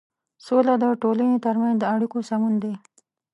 سوله د ټولنې تر منځ د اړيکو سمون دی.